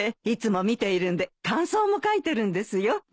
いつも見ているんで感想も書いてるんですよ。